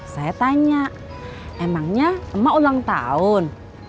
saya tanya emangnya emak ulang tahun